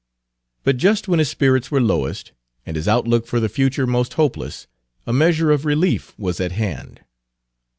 But just when his spirits were lowest, and his outlook for the future most hopeless, a measure of relief was at hand.